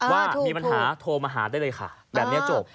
ว่ามีปัญหาโทรมาหาได้เลยค่ะแบบนี้จบ